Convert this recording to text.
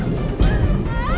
dia juga sudah sampai